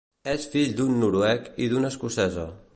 És fill d'un noruec i d'una escocesa.